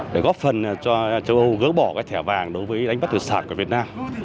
để góp phần cho châu âu gỡ bỏ các thẻ vàng đối với đánh bắt thủy sản của việt nam